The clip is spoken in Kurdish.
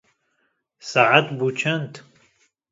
saet bû çend ?